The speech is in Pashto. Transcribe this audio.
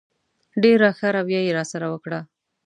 ډېره ښه رویه یې راسره وکړه.